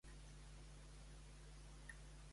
És bella, aquesta figura?